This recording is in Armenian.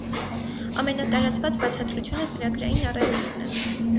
Ամենատարածված բացատրությունը ծրագրային առևտուրն է։